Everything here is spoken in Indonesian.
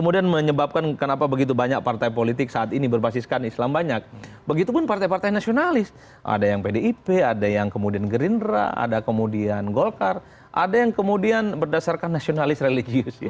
dia mengkritik tentang koalisi